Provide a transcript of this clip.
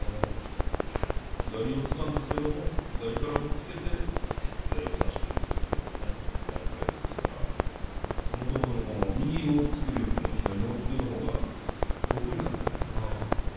左四つなんですけれど左から押っつけて左を差していくというタイプですからもともとの右の押っつけよりも左の押っつけのほうが得意なんじゃないですかね。